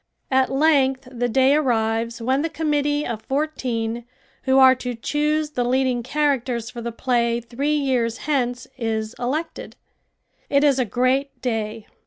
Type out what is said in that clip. At length the day arrives when the committee of fourteen who are to choose the leading characters for the play three years hence is elected. It is a great day.